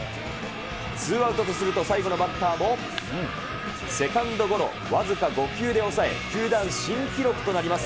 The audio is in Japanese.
ツーアウトとすると、最後のバッターもセカンドゴロ、僅か５球で抑え、球団新記録となります